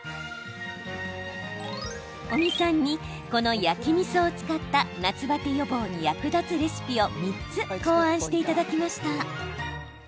尾身さんにこの焼きみそを使った夏バテ予防に役立つレシピを３つ考案していただきました。